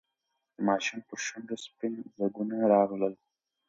د ماشوم پر شونډو سپین ځگونه راغلل.